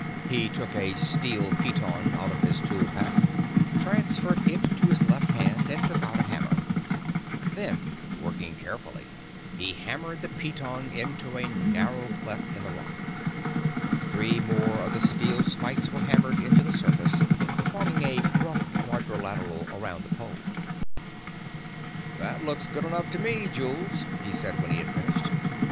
He took a steel piton out of his tool pack, transferred it to his left hand, and took out a hammer. Then, working carefully, he hammered the piton into a narrow cleft in the rock. Three more of the steel spikes were hammered into the surface, forming a rough quadrilateral around the Pole. "That looks good enough to me, Jules," he said when he had finished.